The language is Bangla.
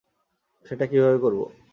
সেটা কীভাবে করবো?